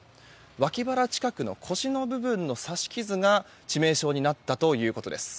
脇腹近くの腰の部分の刺し傷が致命傷になったということです。